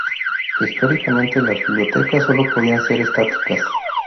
Históricamente, las bibliotecas solo podían ser estáticas.